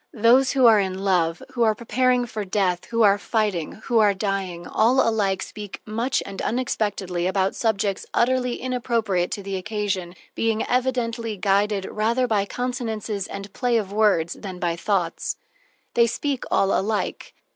Those who are in love, who are preparing for death, who are fighting, who are dying, all alike speak much and unexpectedly about subjects utterly inappropriate to the occasion, being evidently guided rather by consonances and play of words than by thoughts. They speak all alike.